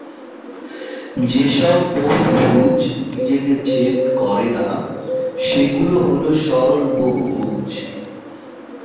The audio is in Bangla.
যেসব বহুভুজ নিজেকে ছেদ করে না সেগুলো হল সরল বহুভুজ।